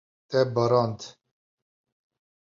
Te barand.